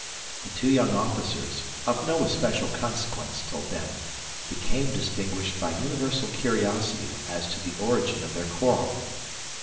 The two young officers, of no especial consequence till then, became distinguished by the universal curiosity as to the origin of their quarrel.